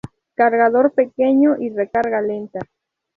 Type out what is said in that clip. Cargador pequeño y recarga lenta.